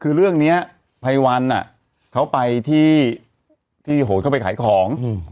คือเรื่องนี้พายวันน่ะเขาไปที่เขาไปขายของ